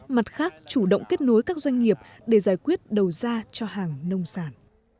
mặt khác chủ động kết nối các doanh nghiệp để giải quyết đầu ra cho hàng nông sản